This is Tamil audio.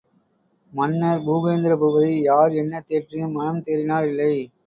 மன்னர் பூபேந்திரபூபதி, யார் என்ன தேற்றியும் மனம் தேறினார் இல்லை.